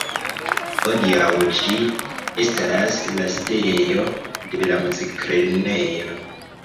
Hodiaŭ ĝi estas la sidejo de la Muziklernejo.